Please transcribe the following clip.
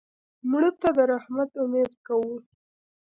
مړه ته د رحمت امید کوو